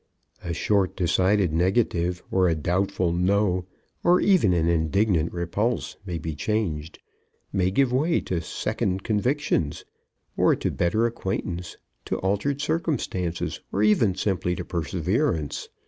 A short decided negative, or a doubtful no, or even an indignant repulse, may be changed, may give way to second convictions, or to better acquaintance, or to altered circumstances, or even simply to perseverance.